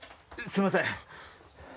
すみません！